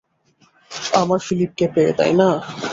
আমার ফিলিপকে পেয়ে, তাইনা?